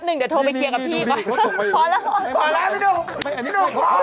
พอแล้วพี่หนู